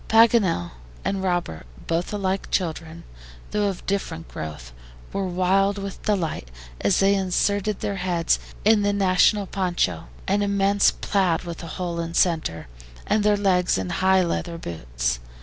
Paganel and Robert, both alike children, though of different growth, were wild with delight as they inserted their heads in the national PONCHO, an immense plaid with a hole in center, and their legs in high leather boots.